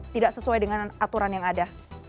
tidak sesuai dengan aturan yang ada